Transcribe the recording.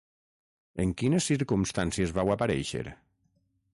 En quines circumstàncies vau aparèixer?